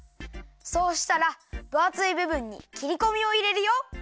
そうしたらぶあついぶぶんにきりこみをいれるよ。